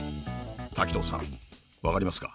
滝藤さん分かりますか？